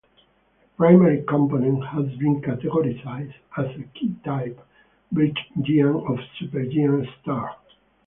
The primary component has been categorized as a K-type bright giant or supergiant star.